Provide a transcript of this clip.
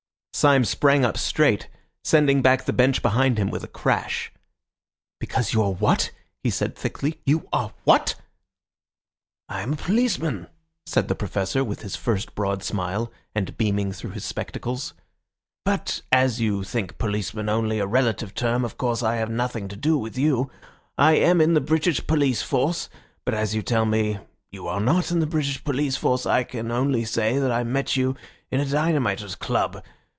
Syme sprang up straight, sending back the bench behind him with a crash. "Because you are what?" he said thickly. "You are what?" "I am a policeman," said the Professor with his first broad smile, and beaming through his spectacles. "But as you think policeman only a relative term, of course I have nothing to do with you. I am in the British police force; but as you tell me you are not in the British police force, I can only say that I met you in a dynamiters' club.